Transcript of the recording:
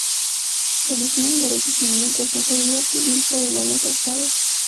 Se origina en el Derecho Civil, responsabilidad civil por el daño causado.